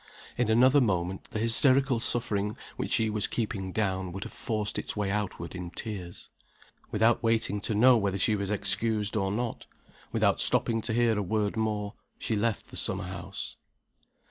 In another moment the hysterical suffering which she was keeping down would have forced its way outward in tears. Without waiting to know whether she was excused or not, without stopping to hear a word more, she left the summer house.